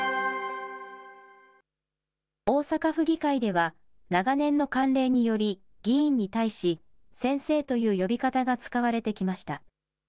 大阪府議会では、長年の慣例により、議員に対し、先生という呼び方が使われてきました。